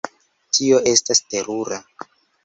Tio estas terura!